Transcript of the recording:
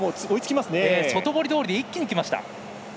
ただ、外堀通りで一気にきました。